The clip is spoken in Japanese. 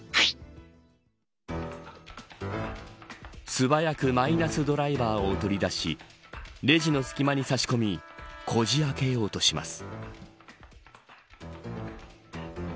素早くマイナスドライバーを取り出しレジの隙間に差し込みこじ開けようとします。